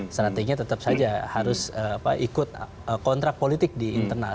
strateginya tetap saja harus ikut kontrak politik di internal